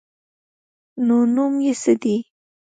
_نو نوم يې څه دی؟